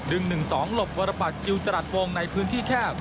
ดึง๑๒หลบวารบัตรกิลจรัดวงในพื้นที่แคบ